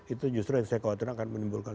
itu justru yang saya khawatirkan akan menimbulkan